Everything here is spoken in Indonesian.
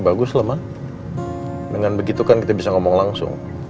ya bagus lah ma dengan begitu kan kita bisa ngomong langsung